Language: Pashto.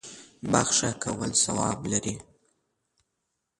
بخښه کول ثواب لري.